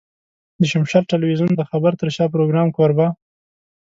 د شمشاد ټلوېزيون د خبر تر شا پروګرام کوربه.